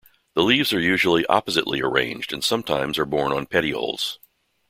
The leaves are usually oppositely arranged and sometimes are borne on petioles.